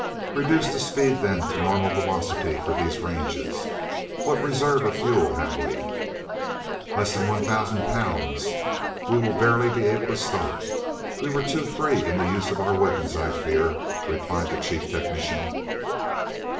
"Reduce the speed, then, to normal velocity for these ranges. What reserve of fuel have we?" "Less than one thousand pounds. We will barely be able to stop. We were too free in the use of our weapons, I fear," replied the Chief Technician.